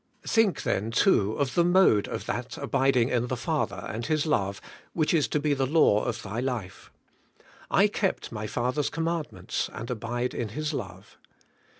Think then too of the mode of that abiding in the Father and His love which is to be the law of thy life. *I kept my Father's commandments and abide in His love.'